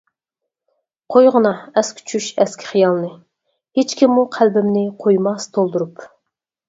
قويغىنا، ئەسكى چۈش، ئەسكى خىيالنى، ھېچكىممۇ قەلبىمنى قويماس تولدۇرۇپ.